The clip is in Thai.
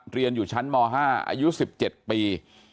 เรียนอยู่ชั้นม๕อายุ๑๗ปี